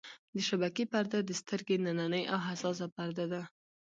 د شبکیې پرده د سترګې نننۍ او حساسه پرده ده.